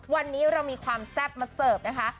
วันนี้เรามีความแซ่บมาเสิร์ฟนะคะ